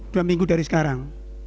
dua minggu dari sekarang